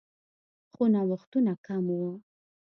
خو نوښتونه کم وو